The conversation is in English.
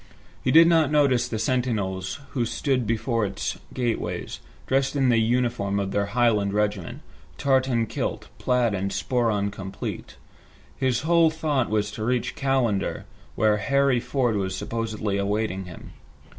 He did not notice the sentinels who stood before its gateways, dressed in the uniform of their Highland regiment, tartan kilt, plaid and sporran complete. His whole thought was to reach Callander where Harry Ford was supposedly awaiting him.